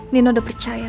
nino udah percaya gue